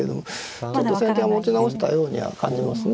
ちょっと先手が持ち直したようには感じますね